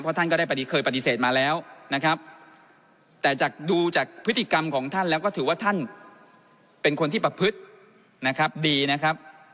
ท่านก็ได้เคยปฏิเสธมาแล้วนะครับแต่จากดูจากพฤติกรรมของท่านแล้วก็ถือว่าท่านเป็นคนที่ประพฤตินะครับดีนะครับ